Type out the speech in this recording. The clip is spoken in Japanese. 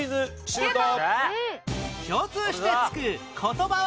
シュート！